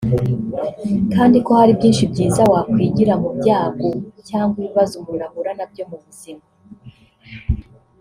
kandi ko hari byinshi byiza wakwigira mu byago cyangwa ibibazo umuntu ahura nabyo mu buzima